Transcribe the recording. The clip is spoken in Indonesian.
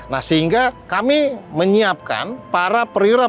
nah sehingga kami menyiapkan para perwira